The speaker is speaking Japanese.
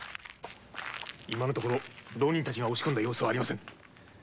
浪人たちが押し込んだ様子はありません。